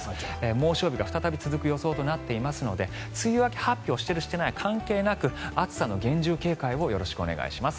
猛暑日が再び続く予想となっていますので梅雨明け発表しているしていないは関係なく暑さの厳重警戒をよろしくお願いします。